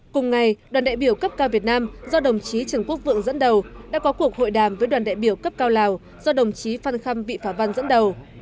cùng ngày đoàn đại biểu cấp cao việt nam do đồng chí trần quốc vượng dẫn đầu đã có cuộc hội đàm với đoàn đại biểu cấp cao lào do đồng chí phan khâm vị phả văn dẫn đầu